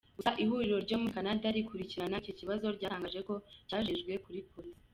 Gusa ihuriro ryo muri Canada rikurikirana iki kibazo ryatangaje ko cyagejejwe kuri Polisi.